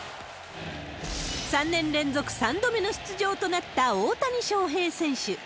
３年連続３度目の出場となった大谷翔平選手。